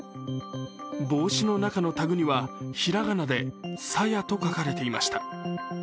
帽子の中のタグには、ひらがなで「さや」と書かれていました。